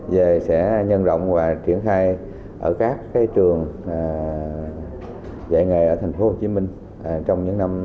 về sẽ nhân rộng và triển khai ở các trường dạy nghề ở thành phố hồ chí minh trong những năm sắp tới